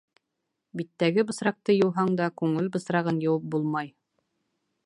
Биттәге бысраҡты йыуһаң да, күңел бысрағын йыуып булмай.